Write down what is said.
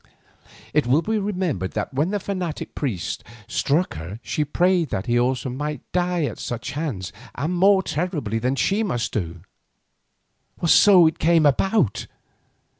It will be remembered that when the fanatic priest struck her she prayed that he also might die at such hands and more terribly than she must do. So it came about.